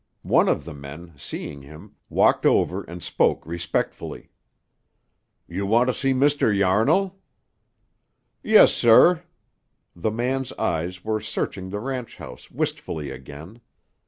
One of the men, seeing him, walked over and spoke respectfully. "You want to see Mr. Yarnall?" "Yes, sir." The man's eyes were searching the ranch house wistfully again.